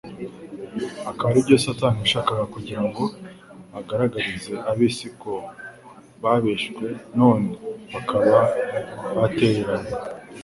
akaba aribyo Satani yashakaga kugira ngo agaragarize ab'isi ko babeshwe none bakaba batereranywe;